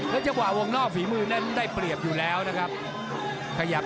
แล้วจังหวะวงนอกฝีมือนั้นได้เปรียบอยู่แล้วนะครับ